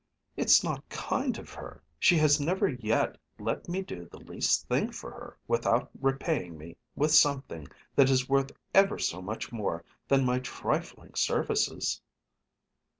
It's not kind of her. She has never yet let me do the least thing for her without repaying me with something that is worth ever so much more than my trifling services."